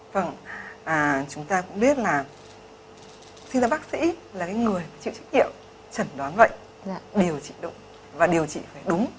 vâng chúng ta cũng biết là sinh ra bác sĩ là người chịu trách nhiệm chẩn đoán bệnh điều trị đúng và điều trị phải đúng